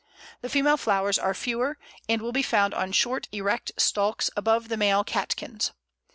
The female flowers are fewer, and will be found on short erect stalks above the male catkins.